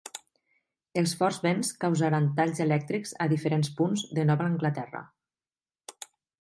Els forts vents causaren talls elèctrics a diferents punts de Nova Anglaterra.